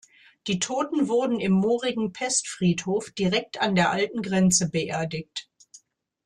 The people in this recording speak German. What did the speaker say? Die Toten wurden im moorigen Pestfriedhof direkt an der alten Grenze beerdigt.